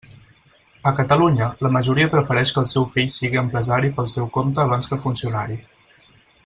A Catalunya, la majoria prefereix que el seu fill sigui empresari pel seu compte abans que funcionari.